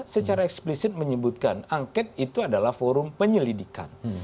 secara eksplisit menyebutkan angket itu adalah forum penyelidikan